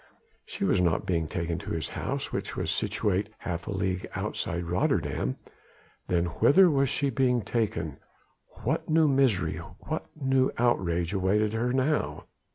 She was not being taken to his house which was situate half a league outside Rotterdam ... then whither was she being taken? What new misery, what new outrage awaited her now?